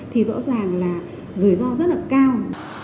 thì rõ ràng là rủi ro rất là cao